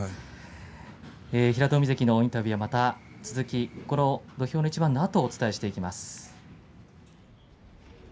平戸海関のインタビューは続きは、この土俵の一番のあとお伝えしていきます。